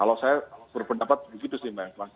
kalau saya berpendapat begitu sih mbak eva